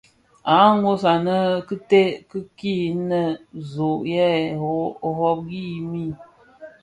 Àa nwos anè kite kì kpii, inè zòò yëë rôôghi mii.